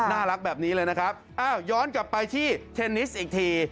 น่ารักแบบนี้เลยนะครับอ้าวย้อนกลับไปที่เทนนิสอีกที